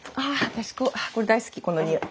私これ大好きこのにおい。